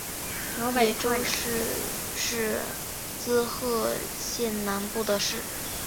野洲市是滋贺县南部的市。